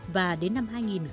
và đến năm hai nghìn hai mươi